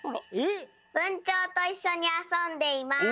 ぶんちょうといっしょにあそんでいます。